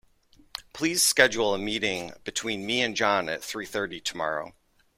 Please schedule a meeting between me and John at three thirty tomorrow.